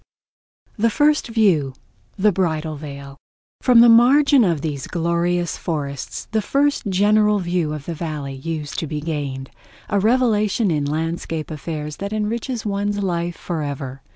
The First View: The Bridal Veil From the margin of these glorious forests the first general view of the Valley used to be gained—a revelation in landscape affairs that enriches one's life forever.